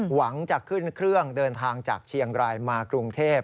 หวังจะขึ้นเครื่องเดินทางจากเชียงรายมากรุงเทพ